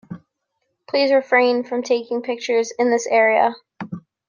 Please refrain from taking pictures in this area.